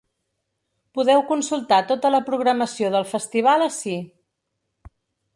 Podeu consultar tota la programació del festival ací.